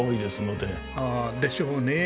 ああでしょうね。